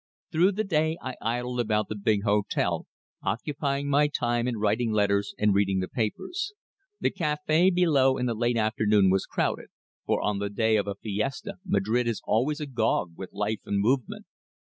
Through the day I idled about the big hotel, occupying my time in writing letters and reading the papers. The café below in the late afternoon was crowded, for on the day of a fiesta Madrid is always agog with life and movement.